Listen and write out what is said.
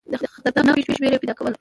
خطرناکو پیښو وېره یې پیدا کوله.